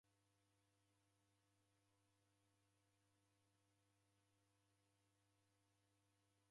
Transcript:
W'ele Shali ni w'ada kumenyere huw'u?